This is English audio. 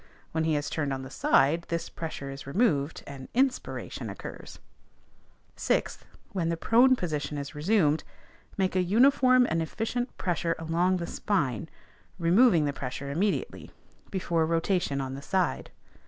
When he is turned on the side, this pressure is removed, and _in_spiration occurs.) 6th, When the prone position is resumed, make a uniform and efficient pressure along the spine, removing the pressure immediately, before rotation on the side.